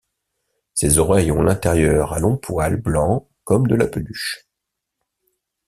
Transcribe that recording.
Ses oreilles ont l'intérieur à longs poils blancs comme de la peluche.